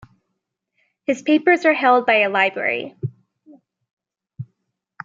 His papers are held by a library.